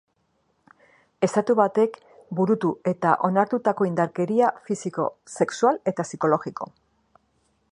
Estatu batek burutu eta onartutako indarkeria fisiko, sexual eta psikologiko.